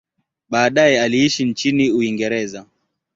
Baadaye aliishi nchini Uingereza.